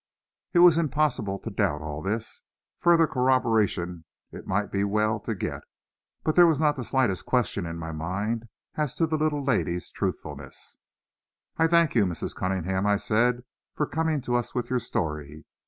It was impossible to doubt all this. Further corroboration it might be well to get, but there was not the slightest question in my mind as to the little lady's truthfulness. "I thank you, Mrs. Cunningham," I said, "for coming to us with your story.